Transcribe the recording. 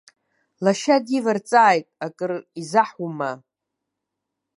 Лашьа диварҵааит, акыр изаҳума?